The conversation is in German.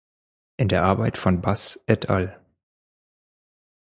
In der Arbeit von Bass et al.